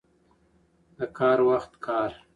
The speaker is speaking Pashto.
د کار وخت کار.